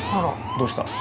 どうした？